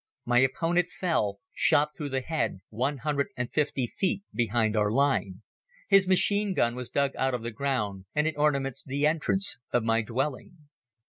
My opponent fell, shot through the head, one hundred and fifty feet behind our line. His machine gun was dug out of the ground and it ornaments the entrance of my dwelling.